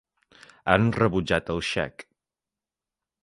Han rebutjat el xec.